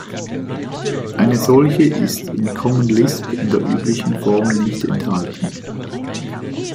Eine solche ist in Common Lisp in der üblichen Form nicht enthalten.